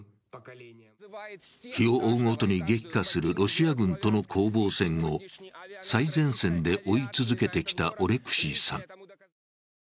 日を追うごとに激化するロシア軍との攻防戦を最前線で追い続けてきたオレクシーさん。